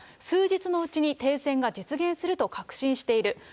数日のうちに停戦が実現すると確信している。